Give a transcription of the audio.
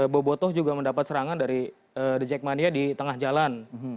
bobotoh juga mendapat serangan dari the jackmania di tengah jalan